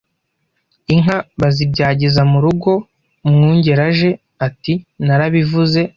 Inka bazibyagiza mu rugo Mwungeli aje, atiNarabivuze